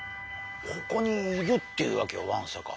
ここにいるっていうわけよわんさか。